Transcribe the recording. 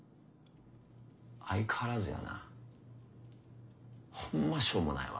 相変わらずやな。ホンマしょうもないわ。